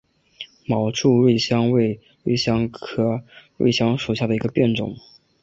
毛柱瑞香为瑞香科瑞香属下的一个变种。